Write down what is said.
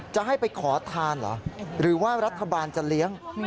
จะให้ไปขอทานเหรอหรือว่ารัฐบาลจะเลี้ยง